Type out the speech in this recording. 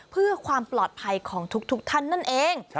เพื่อความปลอดภัยของทุกท่านนั่นเอง